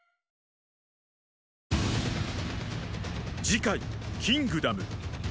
次回「キングダム」